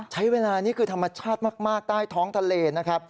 ใช้เวลานี่คือธรรมชาติมากใต้ท้องทะเลนะครับ